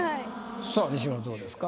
さあ西村どうですか？